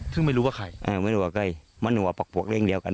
ซึ่งไม่รู้ว่าใครเออไม่รู้ว่าใกล้มันหัวปักปวกเร่งเดียวกัน